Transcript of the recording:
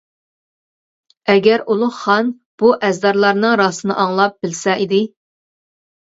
ئەگەر ئۇلۇغ خان بۇ ئەرزدارلارنىڭ راستىنى ئاڭلاپ بىلسە ئىدى.